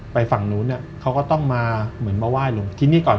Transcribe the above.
ฝั่งนู้นเขาก็ต้องมาเหมือนมาไหว้หลวงที่นี่ก่อน